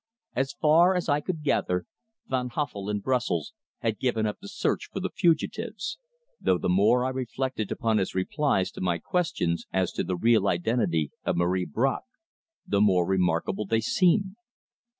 As far as I could gather, Van Huffel, in Brussels, had given up the search for the fugitives; though, the more I reflected upon his replies to my questions as to the real identity of Marie Bracq, the more remarkable they seemed.